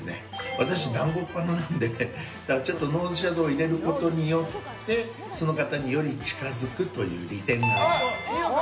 私、団子鼻なのでちょっとノーズシャドーを入れることによってその方により近づくという利点がありますね。